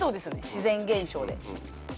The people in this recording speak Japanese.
自然現象で。